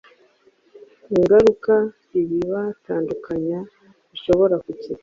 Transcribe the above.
ingaruka ibibatandukanya bishobora kugira